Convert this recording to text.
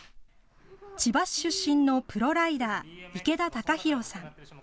千葉市出身のプロライダー、池田貴広さん。